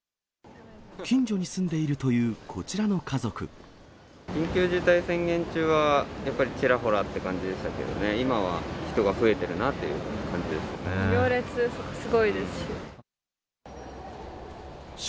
近所に住んでいるというこち緊急事態宣言中は、やっぱりちらほらって感じでしたけどね、今は人が増えてるなっていう感じ行列、そこ、すごいですし。